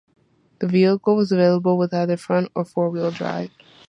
The vehicle was available with either front or four-wheel drive.